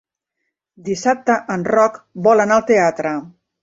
Dissabte en Roc vol anar al teatre.